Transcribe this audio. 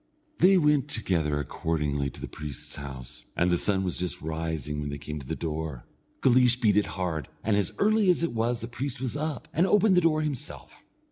They went together accordingly to the priest's house, and the sun was just rising when they came to the door. Guleesh beat it hard, and as early as it was the priest was up, and opened the door himself.